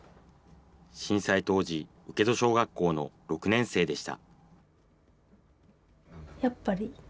震災当時、請戸小学校の６年生でした。